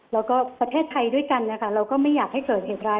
แล้วก็ประเทศไทยด้วยกันนะคะเราก็ไม่อยากให้เกิดเหตุร้าย